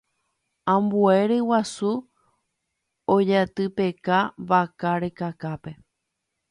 ambue ryguasu ojatypeka vaka rekakápe